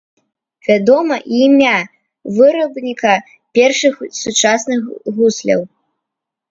Вядома і імя вырабніка першых сучасных гусляў.